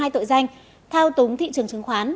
hai tội danh thao túng thị trường chứng khoán